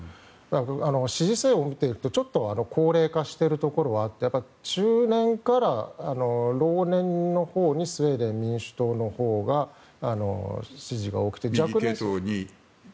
支持層を見ているとちょっと高齢化しているところがあって中年から老年のほうにスウェーデン民主党のほうが支持が多くて。